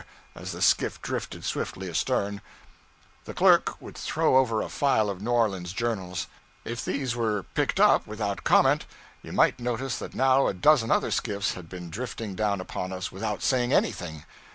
as the skiff drifted swiftly astern. The clerk would throw over a file of New Orleans journals. If these were picked up without comment, you might notice that now a dozen other skiffs had been drifting down upon us without saying anything.